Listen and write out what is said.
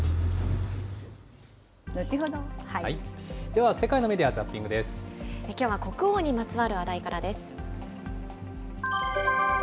では世界のメディア・ザッピきょうは国王にまつわる話題からです。